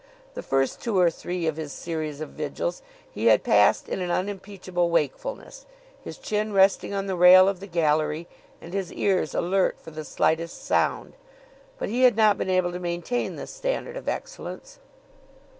The first two or three of his series of vigils he had passed in an unimpeachable wakefulness, his chin resting on the rail of the gallery and his ears alert for the slightest sound; but he had not been able to maintain this standard of excellence.